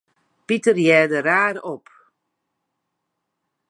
Piter hearde raar op.